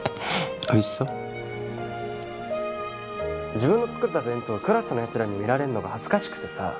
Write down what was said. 自分の作った弁当クラスのやつらに見られんのが恥ずかしくてさ。